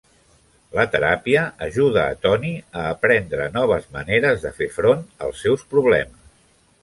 La teràpia ajuda a Tony a aprendre noves maneres de fer front als seus problemes.